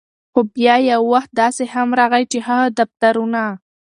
خو بیا یو وخت داسې هم راغے، چې هغه دفترونه